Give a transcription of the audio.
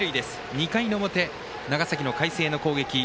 ２回の表、長崎の海星の攻撃。